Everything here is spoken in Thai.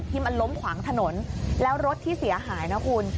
มันล้มขวางถนนแล้วรถที่เสียหายนะคุณ